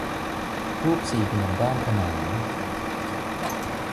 รูปสี่เหลี่ยมด้านขนาน